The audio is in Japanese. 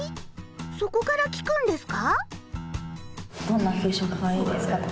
そこから聞くんですか？